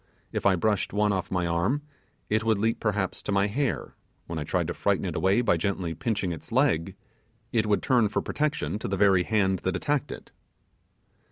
If I brushed one off my arm, it would leap perhaps into my hair: when I tried to frighten it away by gently pinching its leg, it would turn for protection to the very hand that attacked it.